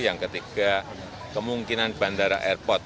yang ketiga kemungkinan bandara airport